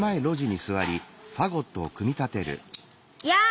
やあ！